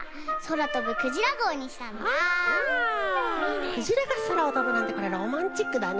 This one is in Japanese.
あクジラがそらをとぶなんてこれロマンチックだね。